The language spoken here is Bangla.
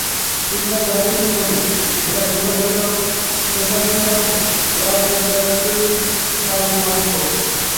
কিংবা যা-ই বলুক, একটা বিষয় হলো socialism was practised by Moscow.